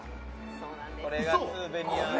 そうなんですこれ？